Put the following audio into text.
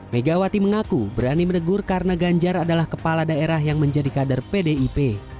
megawati mengaku berani menegur karena ganjar adalah kepala daerah yang menjadi kader pdip